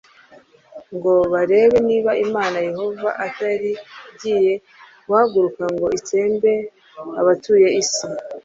ngo barebe niba Imana Yehoya itari igiye guhaguruka ngo itsembe abatuye isi.